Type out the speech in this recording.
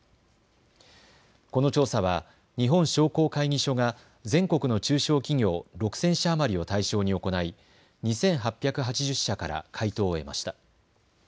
この調査は日本商工会議所が全国の中小企業６０００社余りを対象に行い２８８０社から回答を得ました。